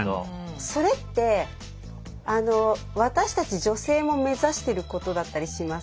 それって私たち女性も目指してることだったりしません？